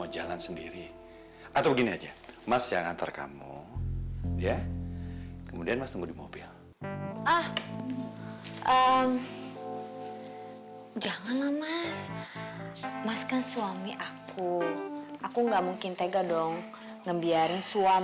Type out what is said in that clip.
jangan ngejaim ngejaim sama gue deh